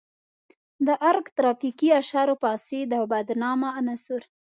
د ارګ ترافیکي اشارو فاسد او بدنامه عناصر.